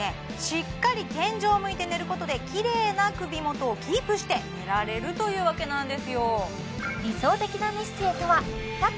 しっかり天井を向いて寝ることでキレイな首元をキープして寝られるというわけなんですよ